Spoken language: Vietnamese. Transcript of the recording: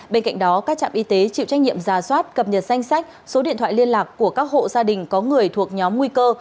bên cạnh đó các trạm y tế chịu trách nhiệm ra soát cập nhật danh sách số điện thoại liên lạc của các hộ gia đình có người thuộc nhóm nguy cơ